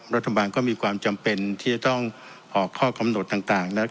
รัฐบาลก็มีความจำเป็นที่จะต้องออกข้อกำหนดต่างแล้ว